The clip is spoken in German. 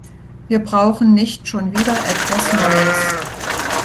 Wir brauchen nicht schon wieder etwas Neues!